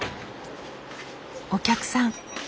お客さん。